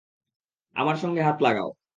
আমার সঙ্গে হাত লাগাও।